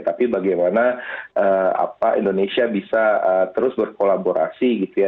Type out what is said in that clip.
tapi bagaimana indonesia bisa terus berkolaborasi gitu ya